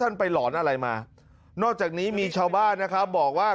นอกจากนี้มีชาวบ้านนะครับบอกว่า